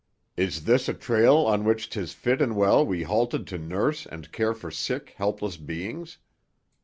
Is this a trail on which 'tis fit and well we halted to nurse and care for sick, helpless beings?